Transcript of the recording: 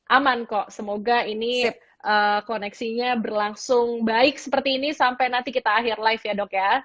aman kok semoga ini koneksinya berlangsung baik seperti ini sampai nanti kita akhir live ya dok ya